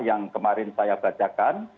yang kemarin saya bacakan